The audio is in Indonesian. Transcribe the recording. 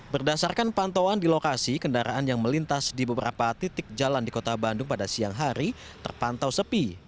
berdasarkan pantauan di lokasi kendaraan yang melintas di beberapa titik jalan di kota bandung pada siang hari terpantau sepi